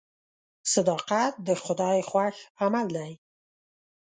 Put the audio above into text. صداقت د خدای خوښ عمل دی.